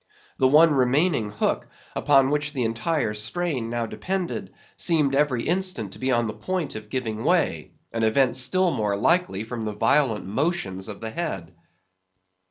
The one remaining hook, upon which the entire strain now depended, seemed every instant to be on the point of giving way; an event still more likely from the violent motions of the head.